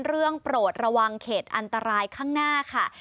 โปรดระวังเขตอันตรายข้างหน้าค่ะ